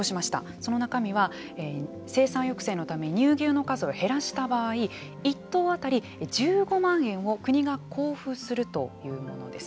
その中身は生産抑制のため乳牛の数を減らした場合１頭当たり１５万円を国が交付するというものです。